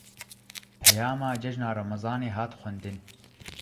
Peyama cejna remezanê, hat xwendin